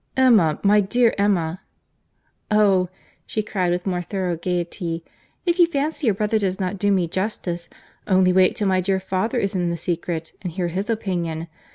"Emma, my dear Emma—" "Oh!" she cried with more thorough gaiety, "if you fancy your brother does not do me justice, only wait till my dear father is in the secret, and hear his opinion.